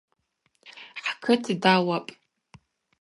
Хӏкыт дауапӏ.